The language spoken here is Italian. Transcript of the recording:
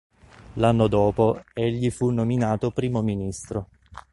L'anno dopo egli fu nominato primo ministro.